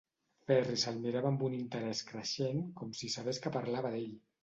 Ferri se'l mirava amb un interès creixent, com si sabés que parlava d'ell.